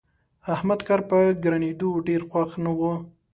احمد کار په ګرانېدو ډېر خوښ نه وو.